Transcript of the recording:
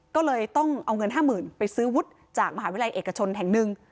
ก็เลยต้องเอาเงิน๕๐๐๐ไปซื้อวุฒิจากมหาวิทยาลัยเอกชนแห่งหนึ่ง